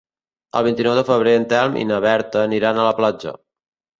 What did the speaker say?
El vint-i-nou de febrer en Telm i na Berta aniran a la platja.